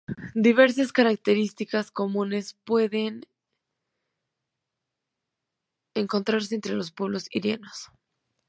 Diversas características comunes pueden encontrarse entre los pueblos iranios.